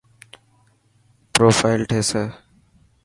پروفائل ٺيسي.